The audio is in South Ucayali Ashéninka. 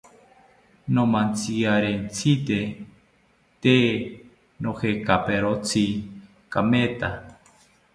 Nomantziarentzite tee nojekaperotzi kametha